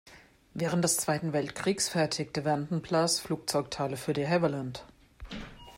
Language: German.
Während des Zweiten Weltkriegs fertigte Vanden Plas Flugzeugteile für De Havilland.